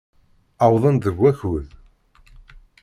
Wwḍen-d deg wakud.